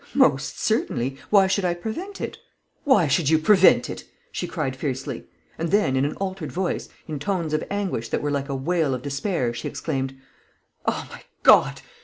"Most certainly. Why should I prevent it?" "Why should you prevent it?" she cried fiercely; and then, in an altered voice, in tones of anguish that were like a wail of despair, she exclaimed, "O my God!